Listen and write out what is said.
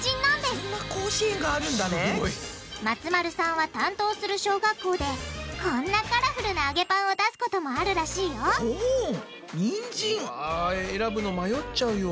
すごい！松丸さんは担当する小学校でこんなカラフルな揚げパンを出すこともあるらしいようわ選ぶの迷っちゃうよ。